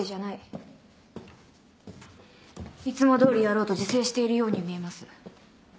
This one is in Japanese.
いつもどおりやろうと自制しているように見えます。